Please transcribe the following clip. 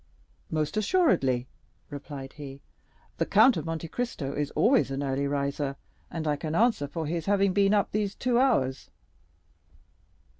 "Most assuredly," replied he. "The Count of Monte Cristo is always an early riser; and I can answer for his having been up these two hours."